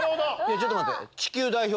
ちょっと待って。